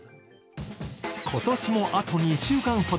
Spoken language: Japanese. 今年もあと２週間ほど。